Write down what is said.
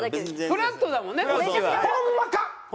フラットだもんねこっちは。ホンマか？